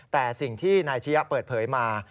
แต่สิ่งที่นายชียะเปิดเผยมา